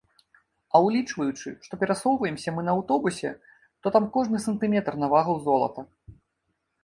А ўлічваючы, што перасоўваемся мы на аўтобусе, то там кожны сантыметр на вагу золата.